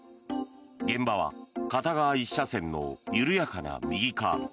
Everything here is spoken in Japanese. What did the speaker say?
現場は片側１車線の緩やかな右カーブ。